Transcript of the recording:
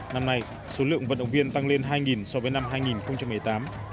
năm nay số lượng vận động viên tăng lên hai so với năm hai nghìn một mươi tám